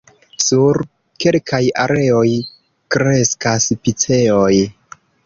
Sur kelkaj areoj kreskas piceoj.